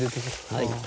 はい。